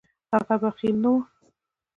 هغه بخیل نه و.